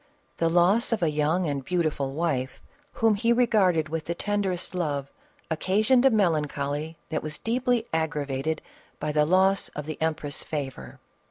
The loss of a young and beautiful wife, whom he regarded with the tenderest love, occasioned a mrl ancholy that was deeply aggravated by the loss of tl»e empress' favor.